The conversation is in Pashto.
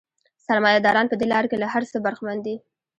سرمایه داران په دې لار کې له هر څه برخمن دي